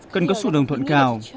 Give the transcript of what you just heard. cần có sự đồng thuận cao